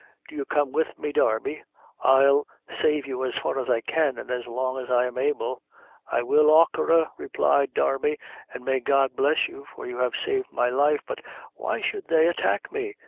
Do you come with me, Darby; I'll save you as far as I can, an' as long as I'm able." "I will, achora," replied Darby, "an' may God bless you, for you have saved my life; but why should they attack me?